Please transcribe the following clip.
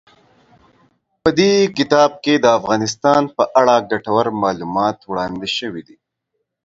په دې کتاب کې د افغانستان په اړه ګټور معلومات وړاندې شوي دي.